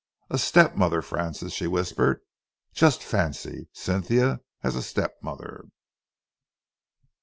"A stepmother, Francis!" she whispered. "Just fancy Cynthia as a stepmother!"